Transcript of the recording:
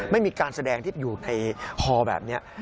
ไม่มีการแสดงที่อยู่ในฮอแบบนี้